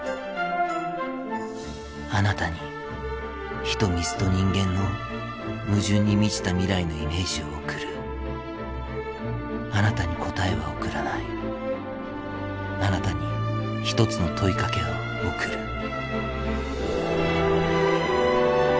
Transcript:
「あなたに火と水と人間の矛盾にみちた未来のイメージを贈るあなたに答は贈らないあなたにひとつの問いかけを贈る」。